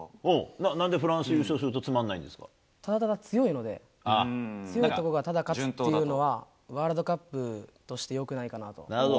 なんでフランス優勝すると、ただただ強いので、強いとこがただ勝つっていうのは、ワールドカップとしてよくないかなるほど。